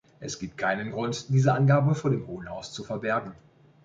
Es gibt keinen Grund, diese Angabe vor dem Hohen Haus zu verbergen.